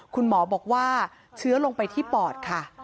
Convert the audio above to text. คุณหมอบอกว่าเชื้อลงไปที่ปอดค่ะ